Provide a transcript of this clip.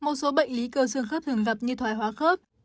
một số bệnh lý cơ xương khớp thường gặp như thoái hóa khớp